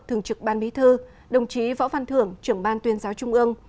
thường trực ban bí thư đồng chí võ văn thưởng trưởng ban tuyên giáo trung ương